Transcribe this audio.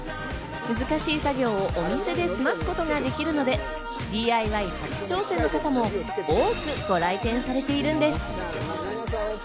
難しい作業をお店で済ますことができるので、ＤＩＹ初挑戦の方も多くご来店されているんです。